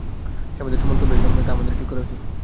সে আমাদের সম্মান করবে কি না তা আমাদেরই ঠিক করা উচিত।